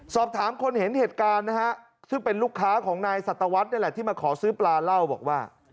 สอบถามคนเห็นเหตุการณ์นะฮะซึ่งเป็นลูกค้าของนายสัตวรรษนี่แหละที่มาขอซื้อปลาเล่าบอกว่า